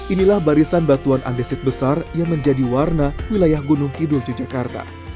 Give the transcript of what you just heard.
inilah barisan batuan andesit besar yang menjadi warna wilayah gunung kidul yogyakarta